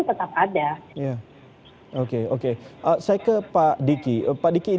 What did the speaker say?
karena sebenarnya negara negara lain